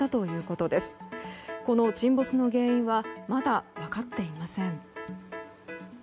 この沈没の原因はまだ分かっていません。